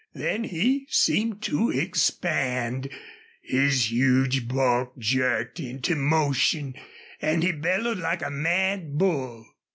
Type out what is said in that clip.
Then he seemed to expand. His huge bulk jerked into motion and he bellowed like a mad bull.